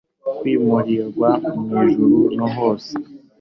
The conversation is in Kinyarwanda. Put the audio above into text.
kwimurirwa mu ijuru no hose